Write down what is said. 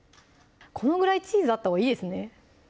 このぐらいチーズあったほうがいいですね